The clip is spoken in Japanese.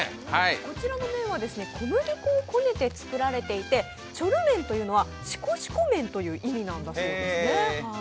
こちらの麺は小麦粉をこねて作られていてチョル麺というのはシコシコ麺という意味なんだそうです。